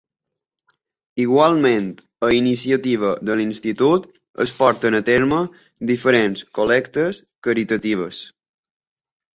Igualment a iniciativa de l'institut es porten a terme diferents col·lectes caritatives.